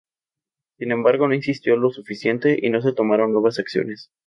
Sin embargo, no insistió lo suficiente y no se tomaron nuevas acciones.